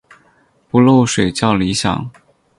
不漏水较理想。